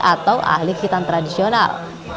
atau ahli hitan tradisional